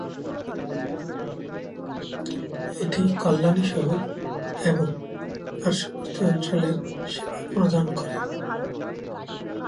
এটি কল্যাণী শহর এবং পার্শ্ববর্তী অঞ্চলের সেবা প্রদান করে।